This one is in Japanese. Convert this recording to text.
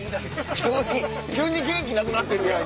急に元気なくなってるやん。